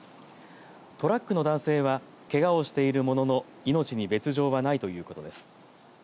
トラックの男性はけがをしているものの命に別状はないということです。